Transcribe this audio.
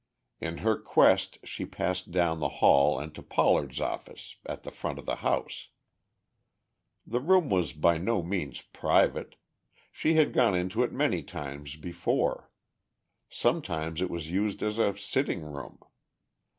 In her quest she passed down the hall and to Pollard's office at the front of the house. The room was by no means private; she had gone into it many times before; sometimes it was used as a sitting room.